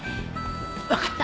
わかった。